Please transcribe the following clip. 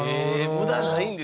無駄ないんですね。